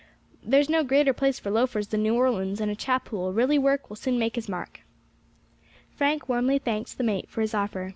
There's no greater place for loafers than New Orleans, and a chap who will really work will soon make his mark." Frank warmly thanked the mate for his offer.